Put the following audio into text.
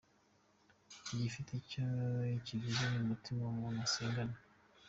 Igifite icyo kivuze ni umutima umuntu asengana.